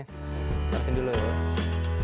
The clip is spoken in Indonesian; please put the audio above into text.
harusin dulu ya